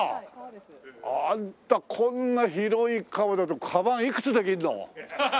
あんたこんな広い革だとカバンいくつできるの？